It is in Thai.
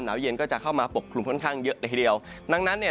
เย็นก็จะเข้ามาปกคลุมค่อนข้างเยอะเลยทีเดียวดังนั้นเนี่ย